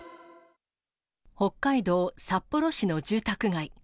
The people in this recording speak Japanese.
北海道札幌市の住宅街。